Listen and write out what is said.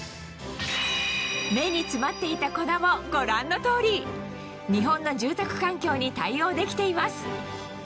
目に詰まっていた粉もご覧の通り日本の住宅環境に対応できています